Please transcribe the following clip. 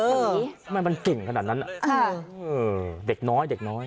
เด็กน้อย